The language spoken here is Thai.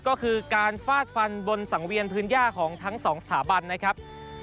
ก็คือการฟาดฟันบนสังเวียนพื้นย่าของทั้งสองสถาบันนะครับ